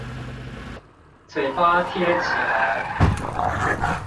嘴巴貼起來